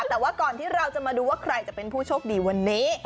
แต่ว่าก่อนที่เราจะมาดูว่าใครจะเป็นผู้โชคดีวันนี้